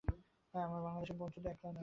আমাদের বাংলদেশে পঞ্চু তো একলা নয়।